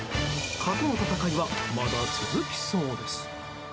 蚊との戦いはまだ続きそうです。